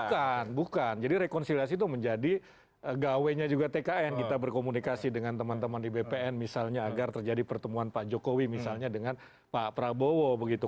bukan bukan jadi rekonsiliasi itu menjadi gawenya juga tkn kita berkomunikasi dengan teman teman di bpn misalnya agar terjadi pertemuan pak jokowi misalnya dengan pak prabowo begitu